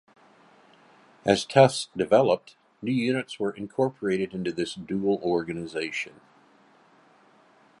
As Tufts developed, new units were incorporated into this dual organization.